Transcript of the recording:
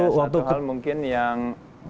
ada satu hal mungkin yang